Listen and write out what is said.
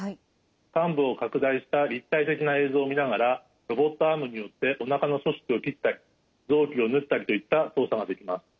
患部を拡大した立体的な映像を見ながらロボットアームによっておなかの組織を切ったり臓器を縫ったりといった操作ができます。